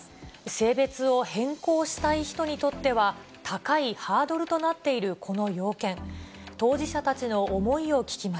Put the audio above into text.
性別を変更したい人にとっては、高いハードルとなっているこの要件。